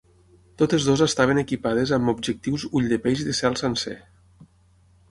Totes dues estaven equipades amb objectius ull de peix de cel sencer.